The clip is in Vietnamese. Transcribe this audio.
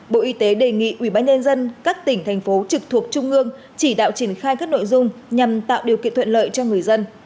bộ y tế đề nghị ủy ban nhân dân các tỉnh thành phố trực thuộc trung ương chỉ đạo triển khai các nội dung nhằm tạo điều kiện thuận lợi cho người dân